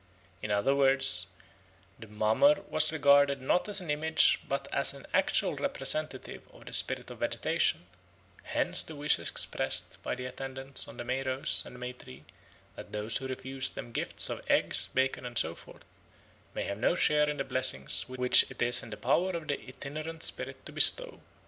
In other words the mummer was regarded not as an image but as an actual representative of the spirit of vegetation; hence the wish expressed by the attendants on the May rose and the May tree that those who refuse them gifts of eggs, bacon, and so forth, may have no share in the blessings which it is in the power of the itinerant spirit to bestow.